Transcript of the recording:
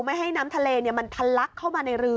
ไม่ให้น้ำทะเลมันทะลักเข้ามาในเรือ